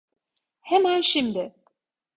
Hemen şimdi!